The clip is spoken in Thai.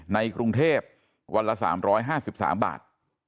ในกรุงเทพวันละ๓๕๓บาท